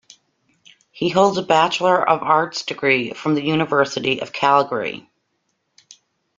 He holds a Bachelor of Arts degree from the University of Calgary.